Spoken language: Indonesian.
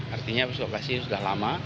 artinya lokasi sudah lama